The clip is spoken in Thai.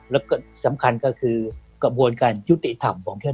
แล้วก็สำคัญก็คือกระบวนการยุติธรรมของท่าน